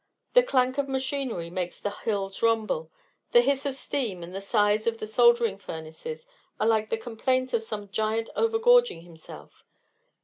The clank of machinery makes the hills rumble, the hiss of steam and the sighs of the soldering furnaces are like the complaint of some giant overgorging himself.